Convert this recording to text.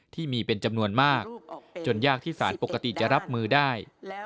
ที่มีเป็นจำนวนมากจนยากที่สารปกติจะรับมือได้